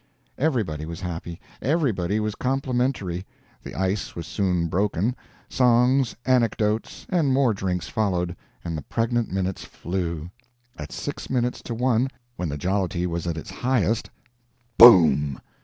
Everybody was happy; everybody was complimentary; the ice was soon broken; songs, anecdotes, and more drinks followed, and the pregnant minutes flew. At six minutes to one, when the jollity was at its highest BOOM!